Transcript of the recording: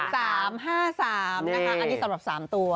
๓๕๓นะคะอันนี้สำหรับ๓ตัว